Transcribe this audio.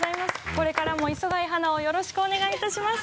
これからも磯貝初奈をよろしくお願いいたします。